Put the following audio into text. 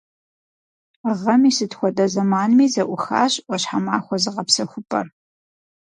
Гъэм и сыт хуэдэ зэманми зэӀухащ «Ӏуащхьэмахуэ» зыгъэпсэхупӀэр.